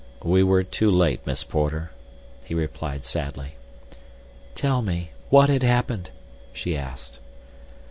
"We were too late, Miss Porter," he replied sadly. "Tell me. What had happened?" she asked.